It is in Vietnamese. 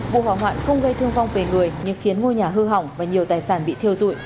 vụ hỏa hoạn không gây thương vong về người nhưng khiến ngôi nhà hư hỏng và nhiều tài sản bị thiêu dụi